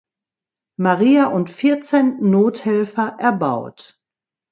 Maria und Vierzehn Nothelfer“ erbaut.